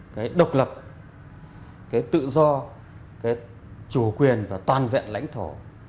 cái độc lập cái tự do cái chủ quyền và toàn vẹn lãnh thổ